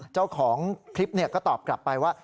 เจ้าของคลิปก็ตอบกลับไปว่า